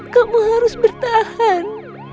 kamu harus bertahan